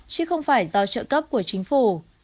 chứ không phải do trợ cấp của chính phủ